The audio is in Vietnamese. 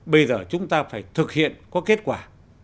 bây giờ chúng ta phải thực hiện có kết quả